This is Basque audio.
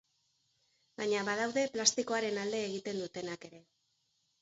Baina badaude plastikoaren alde egiten dutenak ere.